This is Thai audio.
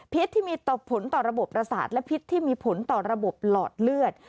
ที่มีผลต่อระบบประสาทและพิษที่มีผลต่อระบบหลอดเลือด